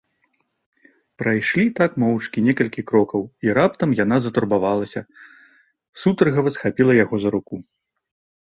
Прайшлі так моўчкі некалькі крокаў, і раптам яна затурбавалася, сутаргава схапіла яго за руку.